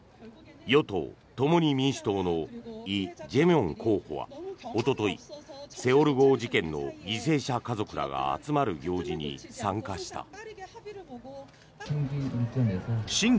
与党・共に民主党のイ・ジェミョン候補はおととい、「セウォル号」事件の犠牲者家族らが集まる行事に参加した。